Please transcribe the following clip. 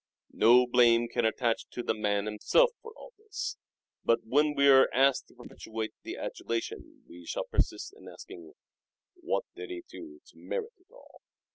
No blame can attach to the man himself for all this, but when we are asked to perpetuate the adulation we shall persist in asking, What did he do to merit it all